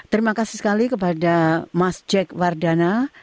terima kasih sekali kepada mas jack wardana